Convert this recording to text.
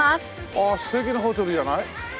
ああ素敵なホテルじゃない？